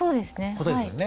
ことですよね？